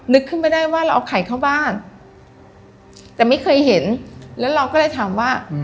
นึกขึ้นไม่ได้ว่าเราเอาไข่เข้าบ้านแต่ไม่เคยเห็นแล้วเราก็เลยถามว่า